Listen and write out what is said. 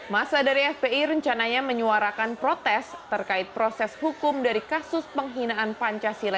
masa dari fpi rencananya menyuarakan protes terkait proses hukum dari kasus penghinaan pancasila